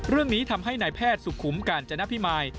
เรื่องนี้ทำให้นายแพทย์สุขุมกาญจนพิมาย